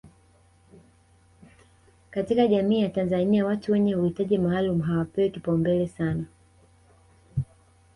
katika jamii ya Tanzania watu wenye uhitaji maalum hawapewi kipaumbele sana